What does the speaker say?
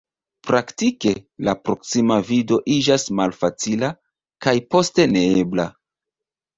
Praktike, la proksima vido iĝas malfacila, kaj poste neebla.